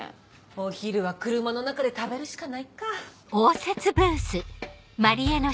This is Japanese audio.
お昼は車の中で食べるしかないか。